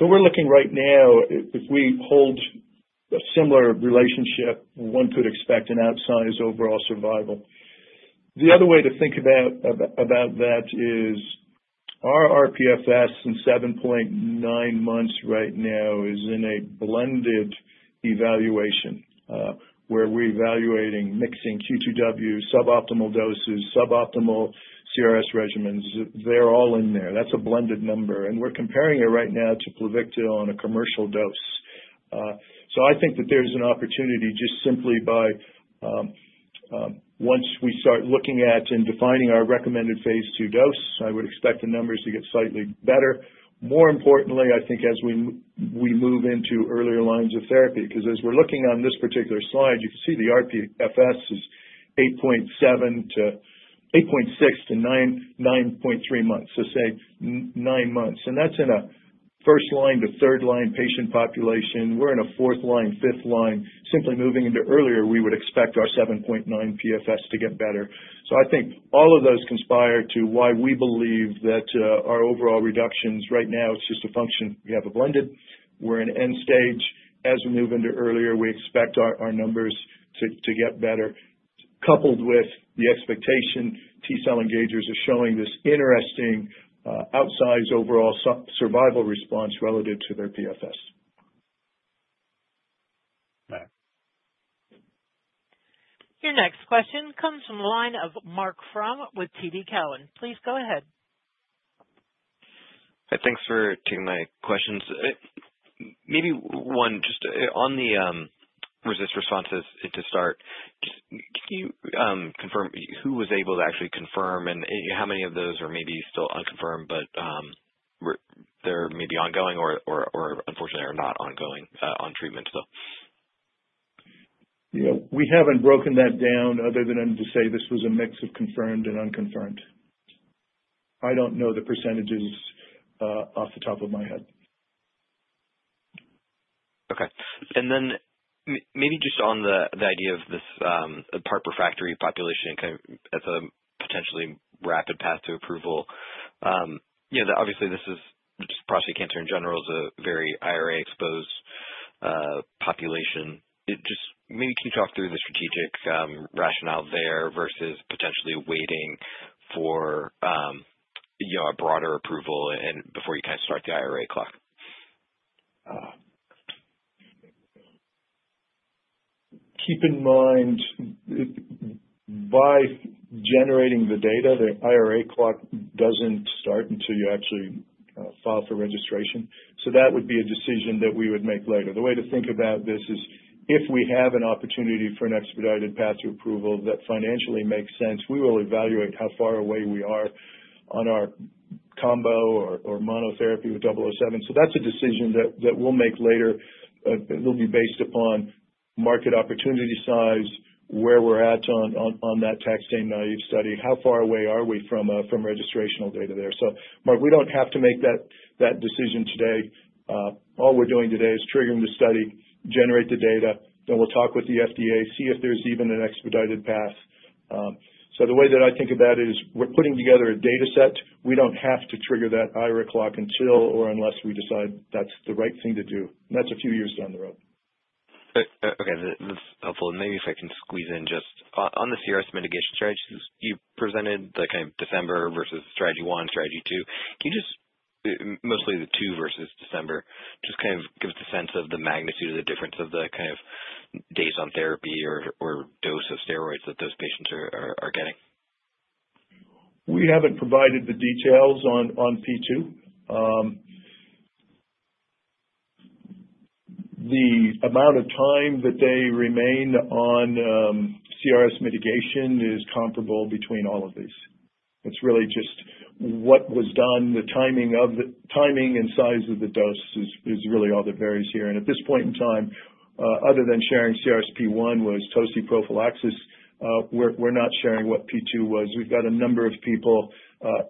We are looking right now, if we hold a similar relationship, one could expect an outsized overall survival. The other way to think about that is our RPFS in 7.9 months right now is in a blended evaluation where we're evaluating, mixing Q2W, suboptimal doses, suboptimal CRS regimens. They're all in there. That's a blended number. We're comparing it right now to Pluvicto on a commercial dose. I think that there's an opportunity just simply by once we start looking at and defining our phase II dose, I would expect the numbers to get slightly better. More importantly, I think as we move into earlier lines of therapy, because as we're looking on this particular slide, you can see the RPFS is 8.6-9.3 months, so say nine months. That's in a first line to third line patient population. We're in a fourth line, fifth line. Simply moving into earlier, we would expect our 7.9 PFS to get better. I think all of those conspire to why we believe that our overall reductions right now, it's just a function. We have a blended. We're in end stage. As we move into earlier, we expect our numbers to get better, coupled with the expectation T-cell engagers are showing this interesting outsized overall survival response relative to their PFS. Your next question comes from the line of Marc Frahm with TD Cowen. Please go ahead. Thanks for taking my questions. Maybe one just on the RECIST responses to start. Can you confirm who was able to actually confirm and how many of those are maybe still unconfirmed, but they're maybe ongoing or unfortunately are not ongoing on treatment still? Yeah. We haven't broken that down other than to say this was a mix of confirmed and unconfirmed. I don't know the percentages off the top of my head. Okay. Maybe just on the idea of this PARP refractory population kind of as a potentially rapid path to approval, obviously this is prostate cancer in general is a very IRA-exposed population. Just maybe can you talk through the strategic rationale there versus potentially waiting for a broader approval before you kind of start the IRA clock? Keep in mind by generating the data, the IRA clock does not start until you actually file for registration. That would be a decision that we would make later. The way to think about this is if we have an opportunity for an expedited path to approval that financially makes sense, we will evaluate how far away we are on our combo or monotherapy with 007. That is a decision that we will make later. It'll be based upon market opportunity size, where we're at on that taxane naive study, how far away are we from registrational data there. Marc, we don't have to make that decision today. All we're doing today is triggering the study, generate the data, then we'll talk with the FDA, see if there's even an expedited path. The way that I think about it is we're putting together a data set. We don't have to trigger that IRA clock until or unless we decide that's the right thing to do. That's a few years down the road. Okay. That's helpful. Maybe if I can squeeze in just on the CRS mitigation strategies you presented, the kind of December versus strategy one, strategy two. Can you just mostly the two versus December, just kind of give us a sense of the magnitude of the difference of the kind of days on therapy or dose of steroids that those patients are getting? We have not provided the details on P2. The amount of time that they remain on CRS mitigation is comparable between all of these. It is really just what was done, the timing and size of the dose is really all that varies here. At this point in time, other than sharing CRS P1 was toci prophylaxis, we are not sharing what P2 was. We have got a number of people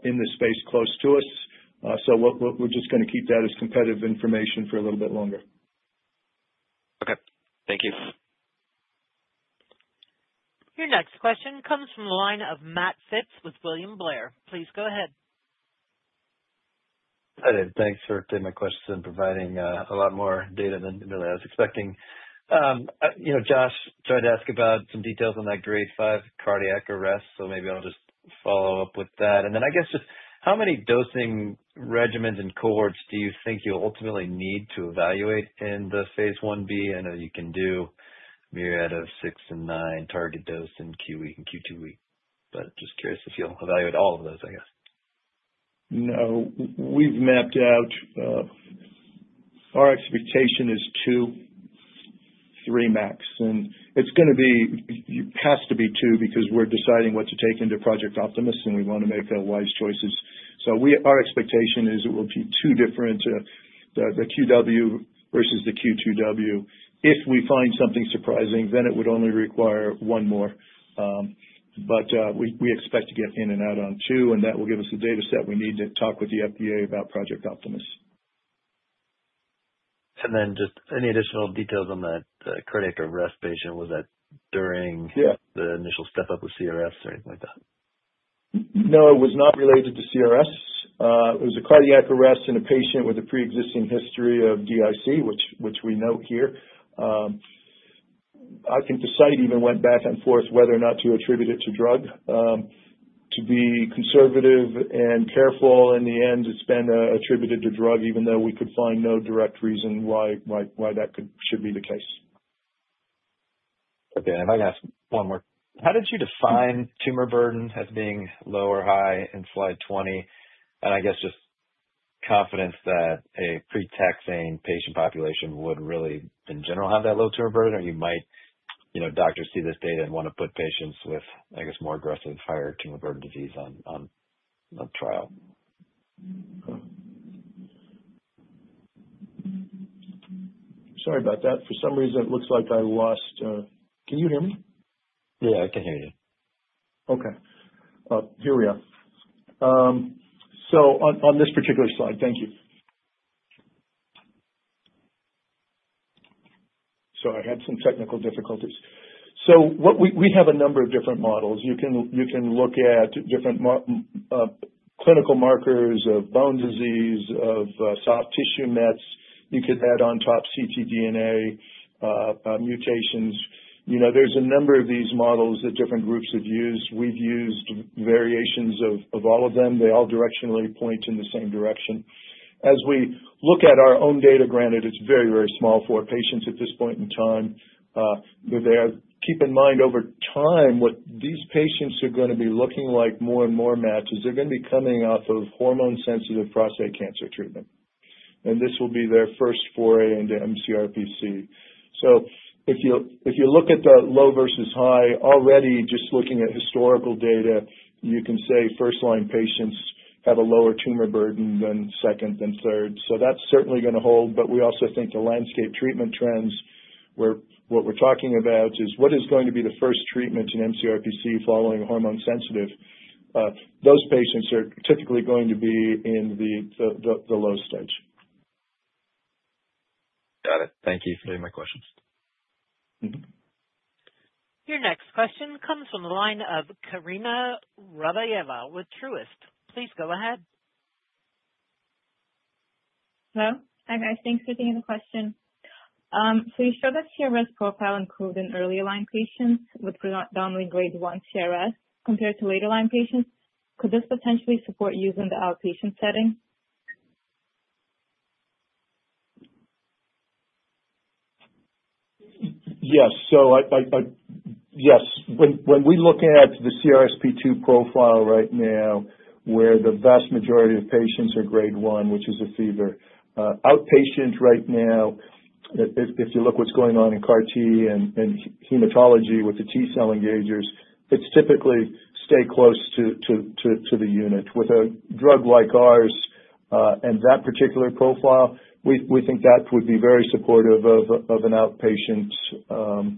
in the space close to us. We are just going to keep that as competitive information for a little bit longer. Thank you. Your next question comes from the line of Matt Fitz with William Blair. Please go ahead. Thanks for taking my questions and providing a lot more data than I was expecting. Josh tried to ask about some details on that grade 5 cardiac arrest, so maybe I'll just follow up with that. I guess just how many dosing regimens and cohorts do you think you'll ultimately need to evaluate in the phase Ib? I know you can do myriad of six and nine target dose in Q week and Q2 week, but just curious if you'll evaluate all of those, I guess. No. We've mapped out our expectation is two, three max. It has to be two because we're deciding what to take into Project Optimus, and we want to make wise choices. Our expectation is it will be two different to the QW versus the Q2W. If we find something surprising, then it would only require one more. We expect to get in and out on two, and that will give us the data set. We need to talk with the FDA about Project Optimus. Just any additional details on that cardiac arrest patient, was that during the initial step-up with CRS or anything like that? No, it was not related to CRS. It was a cardiac arrest in a patient with a pre-existing history of DIC, which we note here. I think the site even went back and forth whether or not to attribute it to drug. To be conservative and careful in the end, it's been attributed to drug, even though we could find no direct reason why that should be the case. Okay. If I can ask one more. How did you define tumor burden as being low or high in slide 20? I guess just confidence that a pre-taxane patient population would really, in general, have that low tumor burden, or you might doctors see this data and want to put patients with, I guess, more aggressive higher tumor burden disease on trial? Sorry about that. For some reason, it looks like I lost. Can you hear me? Yeah, I can hear you. Okay. Here we are. On this particular slide, thank you. I had some technical difficulties. We have a number of different models. You can look at different clinical markers of bone disease, of soft tissue mets. You could add on top CT DNA mutations. There are a number of these models that different groups have used. We've used variations of all of them. They all directionally point in the same direction. As we look at our own data, granted, it's very, very small for our patients at this point in time. Keep in mind over time what these patients are going to be looking like, more and more matches. They're going to be coming off of hormone-sensitive prostate cancer treatment. This will be their first foray into MCRPC. If you look at the low versus high, already just looking at historical data, you can say first-line patients have a lower tumor burden than second and third. That is certainly going to hold. We also think the landscape treatment trends where what we're talking about is what is going to be the first treatment in MCRPC following hormone-sensitive. Those patients are typically going to be in the low stage. Got it. Thank you for my questions. Your next question comes from the line of Karina Rabayeva with Truist. Please go ahead. Hello. Hi, guys. Thanks for taking the question. You show that CRS profile included in early line patients with predominantly grade 1 CRS compared to later line patients. Could this potentially support using the outpatient setting? Yes. Yes, when we look at the CRS P2 profile right now, where the vast majority of patients are grade 1, which is a fever, outpatient right now, if you look at what's going on in CAR-T and hematology with the T-cell engagers, it's typically stay close to the unit. With a drug like ours and that particular profile, we think that would be very supportive of an outpatient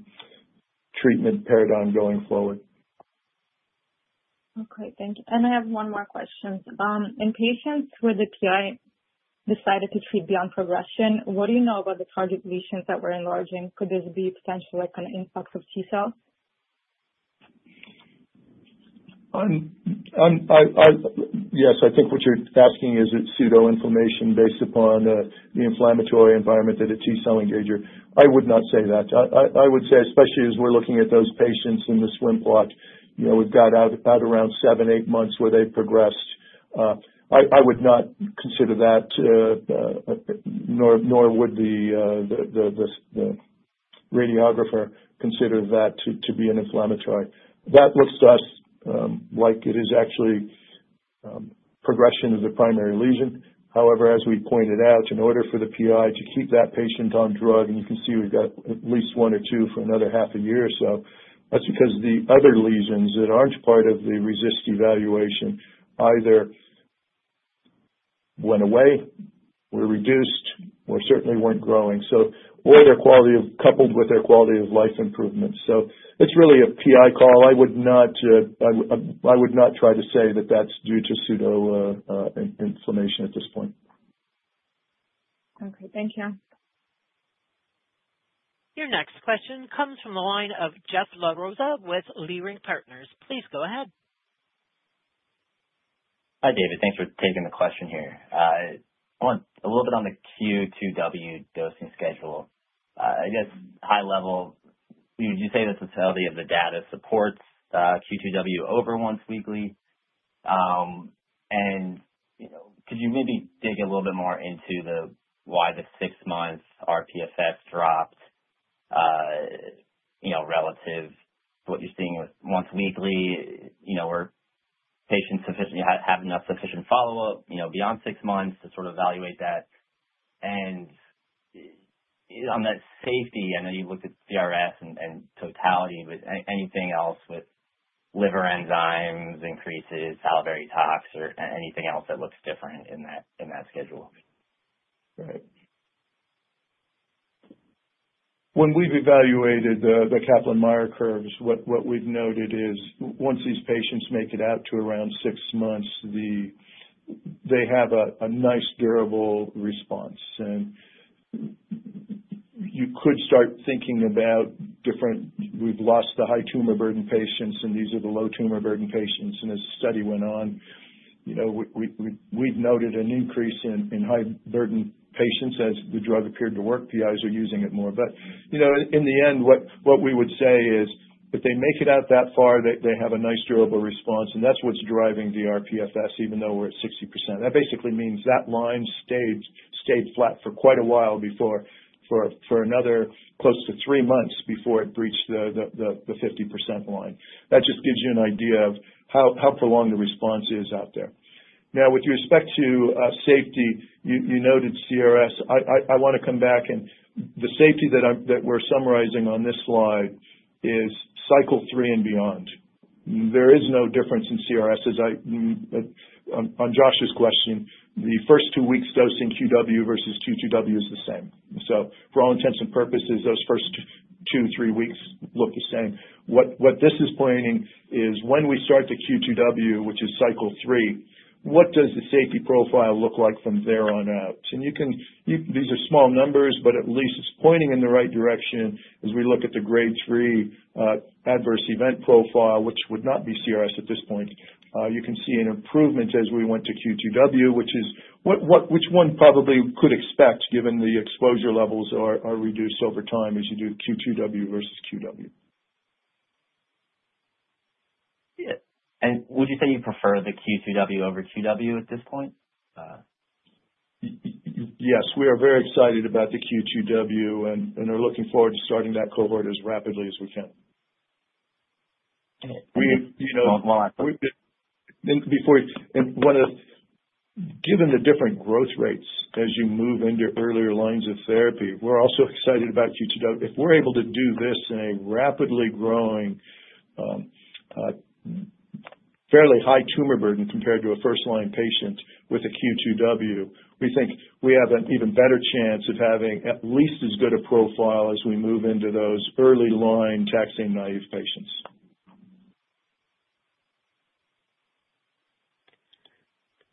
treatment paradigm going forward. Okay. Thank you. I have one more question. In patients where the PI decided to treat beyond progression, what do you know about the target lesions that were enlarging? Could this be potentially an influx of T-cells? Yes. I think what you're asking is it's pseudoinflammation based upon the inflammatory environment of the T-cell engager. I would not say that. I would say, especially as we're looking at those patients in the swim plot, we've got out around seven, eight months where they've progressed. I would not consider that, nor would the radiographer consider that to be an inflammatory. That looks to us like it is actually progression of the primary lesion. However, as we pointed out, in order for the PI to keep that patient on drug, and you can see we've got at least one or two for another half a year or so, that's because the other lesions that aren't part of the RECIST evaluation either went away, were reduced, or certainly weren't growing, or their quality of life improved. It's really a PI call. I would not try to say that that's due to pseudoinflammation at this point. Okay. Thank you. Your next question comes from the line of Jeff LaRosa with Leerink Partners. Please go ahead. Hi, David. Thanks for taking the question here. I want a little bit on the Q2W dosing schedule. I guess high level, would you say the totality of the data supports Q2W over once weekly? Could you maybe dig a little bit more into why the six months RPFS dropped relative to what you're seeing with once weekly? Were patients sufficiently have enough sufficient follow-up beyond six months to sort of evaluate that? On that safety, I know you looked at CRS and totality, but anything else with liver enzymes increases, salivary tox, or anything else that looks different in that schedule? When we've evaluated the Kaplan-Meier curves, what we've noted is once these patients make it out to around six months, they have a nice durable response. You could start thinking about different we've lost the high tumor burden patients, and these are the low tumor burden patients. As the study went on, we've noted an increase in high burden patients as the drug appeared to work. PIs are using it more. In the end, what we would say is if they make it out that far, they have a nice durable response, and that's what's driving the RPFS, even though we're at 60%. That basically means that line stayed flat for quite a while before for another close to three months before it breached the 50% line. That just gives you an idea of how prolonged the response is out there. Now, with respect to safety, you noted CRS. I want to come back and the safety that we're summarizing on this slide is cycle three and beyond. There is no difference in CRS. On Josh's question, the first two weeks dosing QW versus Q2W is the same. So for all intents and purposes, those first two, three weeks look the same. What this is pointing is when we start the Q2W, which is cycle three, what does the safety profile look like from there on out? These are small numbers, but at least it's pointing in the right direction as we look at the grade three adverse event profile, which would not be CRS at this point. You can see an improvement as we went to Q2W, which is which one probably could expect given the exposure levels are reduced over time as you do Q2W versus QW. Would you say you prefer the Q2W over QW at this point? Yes. We are very excited about the Q2W and are looking forward to starting that cohort as rapidly as we can. While I'm talking, given the different growth rates as you move into earlier lines of therapy, we're also excited about Q2W. If we're able to do this in a rapidly growing, fairly high tumor burden compared to a first-line patient with a Q2W, we think we have an even better chance of having at least as good a profile as we move into those early line taxane naive patients.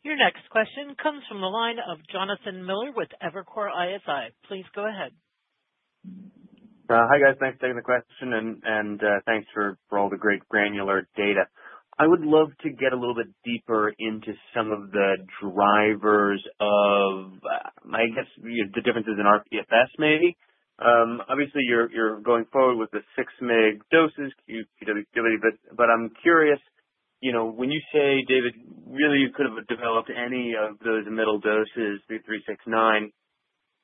Your next question comes from the line of Jonathan Miller with Evercore ISI. Please go ahead. Hi, guys. Thanks for taking the question, and thanks for all the great granular data. I would love to get a little bit deeper into some of the drivers of, I guess, the differences in RPFS maybe. Obviously, you're going forward with the 6 mg doses, Q2W, but I'm curious, when you say, "David, really you could have developed any of those middle doses, 3 mg, 3 mg, 6 mg, 9 mg,"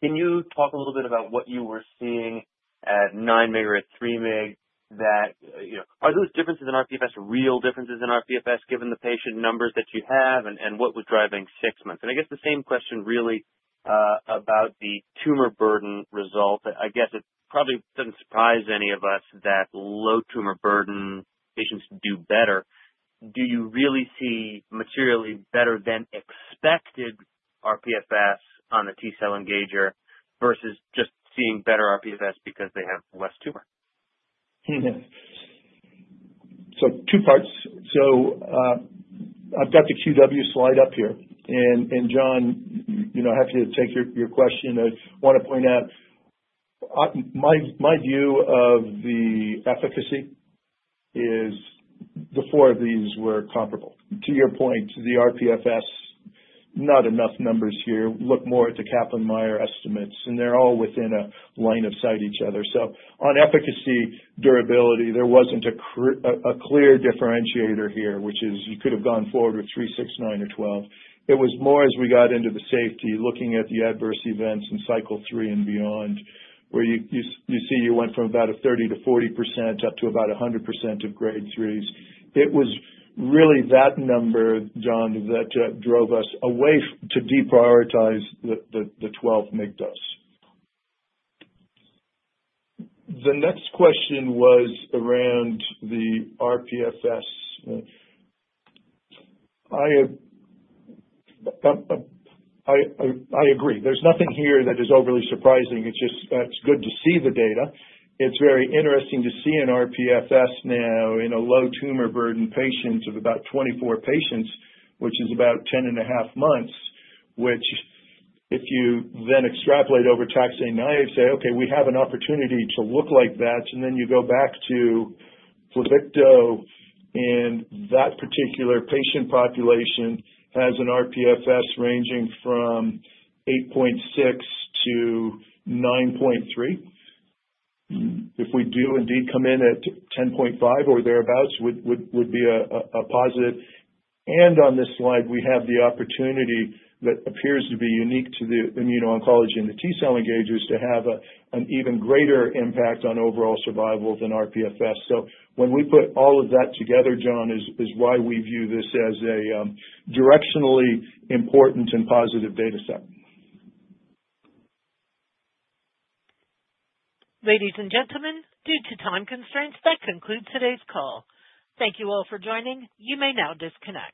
can you talk a little bit about what you were seeing at nine meg or at three meg that are those differences in RPFS real differences in RPFS given the patient numbers that you have and what was driving six months? I guess the same question really about the tumor burden result. I guess it probably doesn't surprise any of us that low tumor burden patients do better. Do you really see materially better than expected RPFS on the T-cell engager versus just seeing better RPFS because they have less tumor? Two parts. I've got the QW slide up here. Jon, happy to take your question. I want to point out my view of the efficacy is the four of these were comparable. To your point, the RPFS, not enough numbers here. Look more at the Kaplan-Meier estimates, and they're all within a line of sight of each other. On efficacy, durability, there wasn't a clear differentiator here, which is you could have gone forward with 3 mg, 6 mg, 9 mg, or 12 mg. It was more as we got into the safety, looking at the adverse events in cycle three and beyond, where you see you went from about 30%-40% up to about 100% of grade threes. It was really that number, Jon, that drove us away to deprioritize the 12 mg dose. The next question was around the RPFS. I agree. There's nothing here that is overly surprising. It's just good to see the data. It's very interesting to see an RPFS now in a low tumor burden patient of about 24 patients, which is about 10.5 months, which if you then extrapolate over taxane naive, say, "Okay, we have an opportunity to look like that," and then you go back to Pluvicto, and that particular patient population has an RPFS ranging from 8.6-9.3. If we do indeed come in at 10.5 or thereabouts, would be a positive. On this slide, we have the opportunity that appears to be unique to the immuno-oncology and the T-cell engagers to have an even greater impact on overall survival than RPFS. When we put all of that together, Jon is why we view this as a directionally important and positive data set. Ladies and gentlemen, due to time constraints, that concludes today's call. Thank you all for joining. You may now disconnect.